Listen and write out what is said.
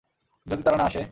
যদি তারা না আসে?